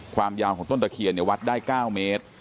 ความยาวของต้นตะเคียนวัดได้๙เมตร